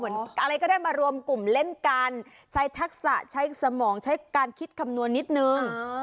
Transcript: อะไรก็ได้มารวมกลุ่มเล่นกันใช้ทักษะใช้สมองใช้การคิดคำนวณนิดนึง